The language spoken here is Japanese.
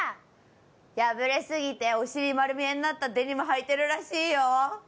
破れすぎてお尻丸見えになったデニムはいてるらしいよ。